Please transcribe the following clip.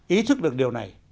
ý thức được điều này